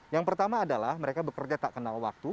yang pertama adalah mereka bekerja tak kenal waktu